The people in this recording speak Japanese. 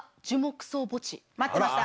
待ってました。